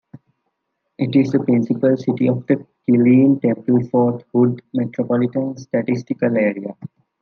It is the principal city of the Killeen-Temple-Fort Hood Metropolitan Statistical Area.